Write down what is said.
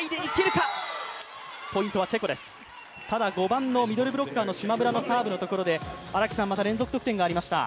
５番のミドルブロッカーの島村のサーブのところでまた連続得点がありました。